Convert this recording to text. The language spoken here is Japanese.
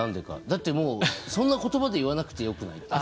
だってもうそんな言葉で言わなくてよくないって。